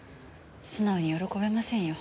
素直に喜べませんよ。